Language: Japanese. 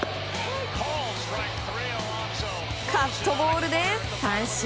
カットボールで三振。